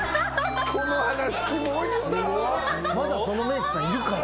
まだそのメークさんいるから。